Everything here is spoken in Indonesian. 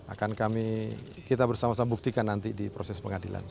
akan kami kita bersama sama buktikan nanti di proses pengadilan